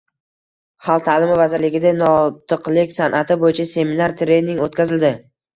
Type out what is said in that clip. Xalq ta’limi vazirligida notiqlik san’ati bo‘yicha seminar-trening o‘tkazildi